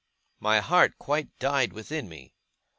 My heart quite died within me.